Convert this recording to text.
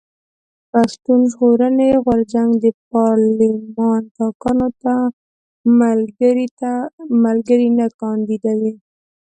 پښتون ژغورني غورځنګ د پارلېمان ټاکنو ته ملګري نه کانديدوي.